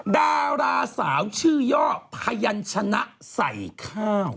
ดาราสาวชื่อย่อพยันชนะใส่ข้าว